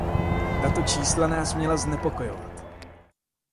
Tato čísla by nás měla znepokojovat.